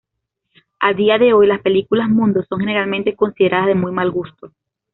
A día de hoy, las películas mondo son generalmente consideradas de muy mal gusto.